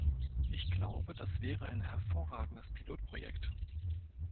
Ich glaube, das wäre ein hervorragendes Pilotprojekt.